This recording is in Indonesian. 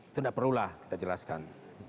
itu tidak perlulah kita jelaskan